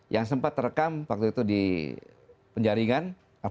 yang sempat terekam waktu itu di penjaringan